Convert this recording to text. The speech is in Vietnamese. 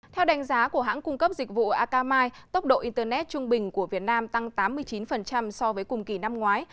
theo đánh giá của hãng cung cấp dịch vụ akamai tốc độ internet trung bình của việt nam tăng tám mươi chín so với cùng kỳ năm ngoái